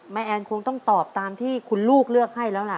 แอนคงต้องตอบตามที่คุณลูกเลือกให้แล้วล่ะ